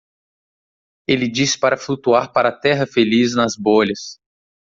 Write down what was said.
Ele disse para flutuar para a Terra Feliz nas bolhas.